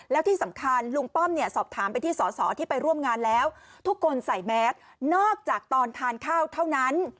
แล้วที่สำคัญลุงป้อมเนี่ยสอบถามไปที่สอสอที่ไปร่วมงานแล้วทุกคนใส่แมสนอกจากตอนทานข้าวเท่านั้น